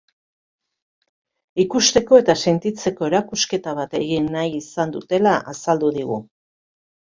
Ikusteko eta sentitzeko erakusketa bat egin nahi izan dutela azaldu digu.